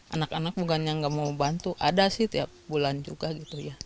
anak anak bukan yang nggak mau bantu ada sih tiap bulan juga gitu ya